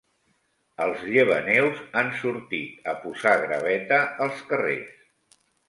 Els llevaneus han sortit a posar graveta als carrers.